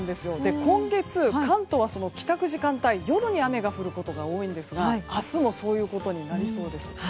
今月、関東は帰宅時間帯夜に雨が降ることが多いんですが明日もそういうことになりそうです。